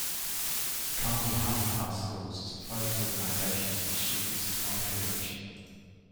Kamehameha Schools is a private organization to which students apply for admission.